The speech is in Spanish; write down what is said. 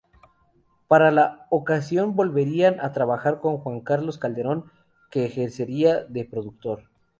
Para la ocasión volverían a trabajar con Juan Carlos Calderón, que ejercería de productor.